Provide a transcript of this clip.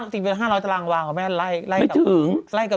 ถึงผู้ชาย๕๐๐ตารางวาไม่ถึง